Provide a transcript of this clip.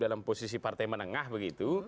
dalam posisi partai menengah begitu